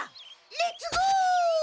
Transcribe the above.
レッツゴー！